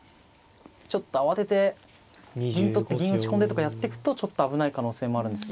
ちょっと慌てて銀取って銀打ち込んでとかやってくとちょっと危ない可能性もあるんです。